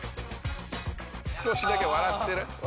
少しだけ笑ってる？